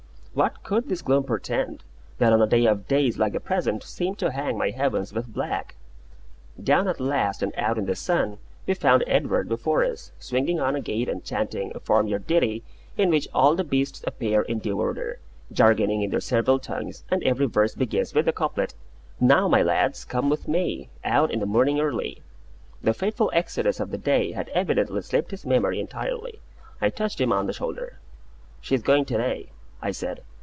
What could this gloom portend, that on a day of days like the present seemed to hang my heavens with black? Down at last and out in the sun, we found Edward before us, swinging on a gate, and chanting a farm yard ditty in which all the beasts appear in due order, jargoning in their several tongues, and every verse begins with the couplet "Now, my lads, come with me, Out in the morning early!" The fateful exodus of the day had evidently slipped his memory entirely. I touched him on the shoulder. "She's going to day!" I said.